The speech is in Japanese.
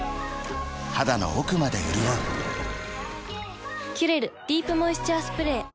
肌の奥まで潤う「キュレルディープモイスチャースプレー」